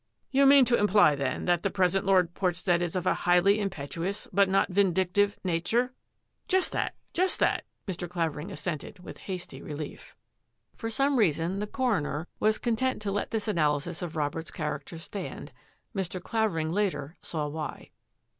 " You mean to imply then that the present Lord Portstead is of a highly impetuous, but not vin dictive, nature? "" Just that, just that," Mr. Clavering assented, with hasty relief. For some reason the coroner was content to 186 THAT AFFAIR AT THE MANOR let this analysis of Robert's character stand. Mr. Clavering later saw why.